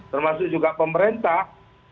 termasuk juga pemerintah